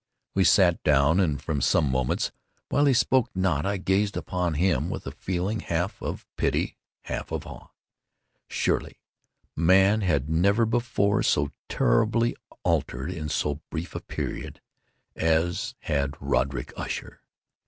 We sat down; and for some moments, while he spoke not, I gazed upon him with a feeling half of pity, half of awe. Surely, man had never before so terribly altered, in so brief a period, as had Roderick Usher!